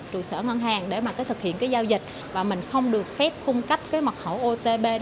trụ sở ngân hàng để thực hiện giao dịch và mình không được phép cung cấp mật khẩu otp